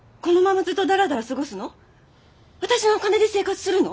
私のお金で生活するの？